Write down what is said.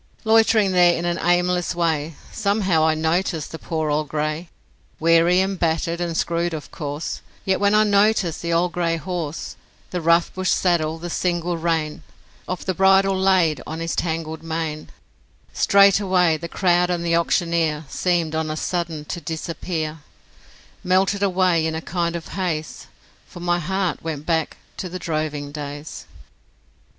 Loitering there in an aimless way Somehow I noticed the poor old grey, Weary and battered and screwed, of course, Yet when I noticed the old grey horse, The rough bush saddle, and single rein Of the bridle laid on his tangled mane, Straightway the crowd and the auctioneer Seemed on a sudden to disappear, Melted away in a kind of haze, For my heart went back to the droving days.